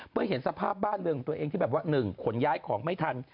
เห็นสภาพบ้านเรือนของตัวเองที่แบบว่า๑ขนย้ายของไม่ทัน